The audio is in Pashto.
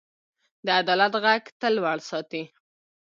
د عدالت غږ تل لوړ ساتئ.